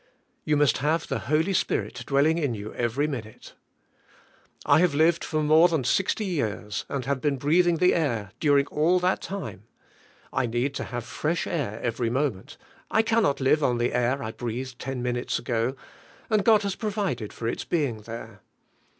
You must have the Holy Spirit dwelling in you every minute. I have lived THK HOI.Y SPIRIT IN KPHKSIANS. 67 for more than 60 years and have been breathing the air during all that time. I need to have fresh air every moment, I cannot live on the air I breathed 10 minutes ago, and God has provided for its being there.